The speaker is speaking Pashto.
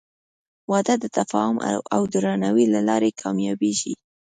• واده د تفاهم او درناوي له لارې کامیابېږي.